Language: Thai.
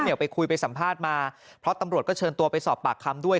ไปคุยไปสัมภาษณ์มาเพราะตำรวจก็เชิญตัวไปสอบปากคำด้วย